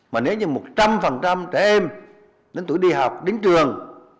mà nếu như một trăm linh trẻ em đến tuổi đi học đến trường